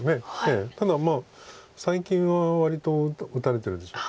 ただまあ最近は割と打たれてるでしょう。